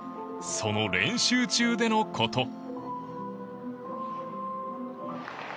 その練習中でのこと。